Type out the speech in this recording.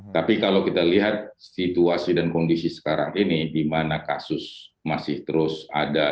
tapi kalau kita lihat situasi dan kondisi sekarang ini di mana kasus masih terus ada